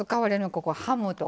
ここハムとかね